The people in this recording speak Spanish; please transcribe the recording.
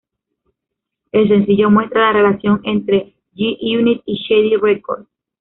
El sencillo muestra la relación entre G-Unit y Shady Records.